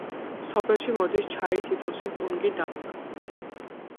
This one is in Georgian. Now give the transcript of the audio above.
სოფელში მოდის ჩაი, ციტრუსი, ტუნგი, დაფნა.